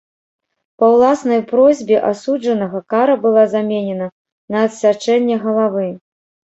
Па ўласнай просьбе асуджанага кара была заменена на адсячэнне галавы.